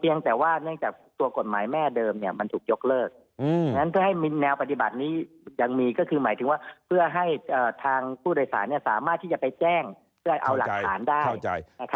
เพียงแต่ว่าเนื่องจากตัวกฎหมายแม่เดิมเนี้ยมันถูกยกเลิกอืมฉะนั้นเพื่อให้มีแนวปฏิบัตินี้ยังมีก็คือหมายถึงว่าเพื่อให้เอ่อทางผู้โดยสารเนี้ยสามารถที่จะไปแจ้งเพื่อให้เอาหลักฐานได้เข้าใจเข้าใจนะครับ